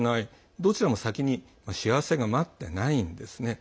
どちらも先に幸せが待っていないんですね。